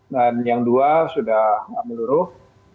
dan yang dua sudah meluruh